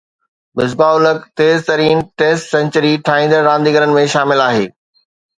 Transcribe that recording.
مصباح الحق تيز ترين test century ٺاهيندڙ رانديگرن ۾ شامل آهي